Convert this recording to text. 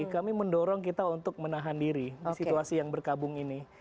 kami mendorong kita untuk menahan diri di situasi yang berkabung ini